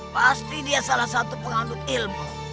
pasti dia salah satu penganut ilmu